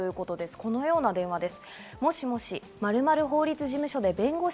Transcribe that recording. このような電話です。